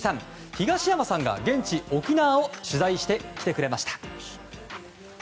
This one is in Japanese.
東山さんが現地・沖縄を取材してきてくれました。